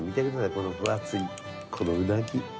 この分厚いうなぎ。